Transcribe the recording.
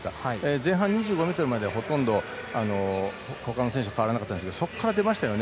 前半２５ｍまではほとんど、ほかの選手と変わらなかったんですがそこから出ましたよね。